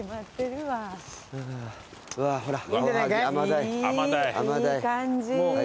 いい感じ。